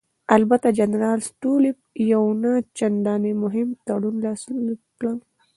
البته جنرال ستولیتوف یو نه چندانې مهم تړون لاسلیک کړ.